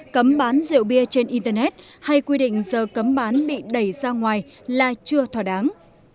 cấm bán rượu bia trên internet hay quy định giờ cấm bán bị đẩy ra ngoài là chưa thỏa đáng